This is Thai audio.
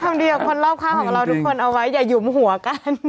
ทำดีกับคนรอบข้างของเราทุกคนเอาไว้อย่าหยุมหัวกัน